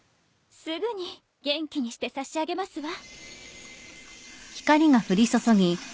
すぐに元気にしてさしあげますわ。